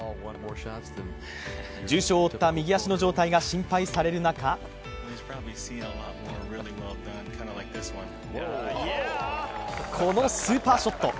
重傷を負った右足の状態が心配される中このスーパーショット。